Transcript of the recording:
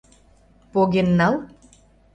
— Поген нал.